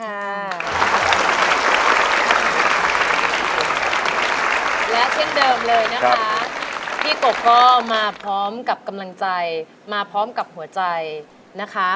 และเช่นเดิมเลยนะคะพี่กบก็มาพร้อมกับกำลังใจมาพร้อมกับหัวใจนะคะ